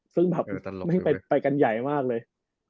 ซึ่งแบบไม่ไปกันใหญ่มากเลย